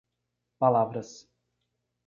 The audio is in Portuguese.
Palavras